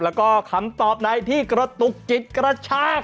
แล้วก็คำตอบใดที่กระตุกจิตกระชาก